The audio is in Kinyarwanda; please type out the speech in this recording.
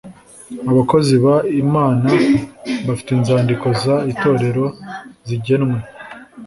abakozi b imana bafite inzandiko z itorero zigenwe